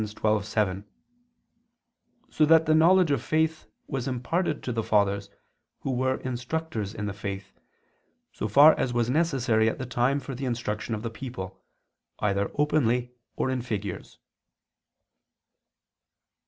12:7; so that the knowledge of faith was imparted to the Fathers who were instructors in the faith, so far as was necessary at the time for the instruction of the people, either openly or in figures.